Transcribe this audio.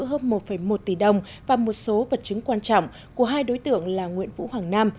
hơn một một tỷ đồng và một số vật chứng quan trọng của hai đối tượng là nguyễn vũ hoàng nam